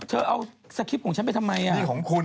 เธอเอาสคริปต์ของฉันไปทำไมของคุณ